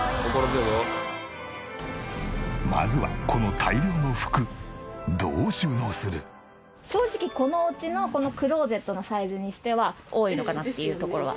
まずはこの正直このお家のこのクローゼットのサイズにしては多いのかなっていうところは。